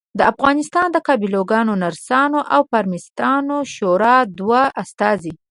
د افغانستان د قابلګانو ، نرسانو او فارمیسټانو شورا دوه استازي